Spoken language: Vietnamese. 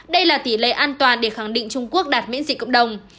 đây là tỷ lệ an toàn để khẳng định trung quốc đạt miễn dịch cộng đồng